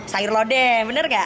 sayur lode benar gak